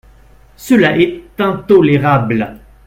Cela est intolérable.